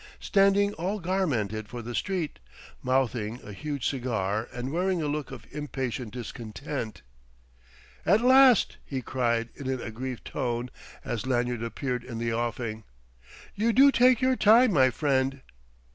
standing all garmented for the street, mouthing a huge cigar and wearing a look of impatient discontent. "At last!" he cried in an aggrieved tone as Lanyard appeared in the offing. "You do take your time, my friend!"